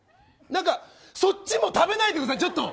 そっちも食べないでくださいちょっと！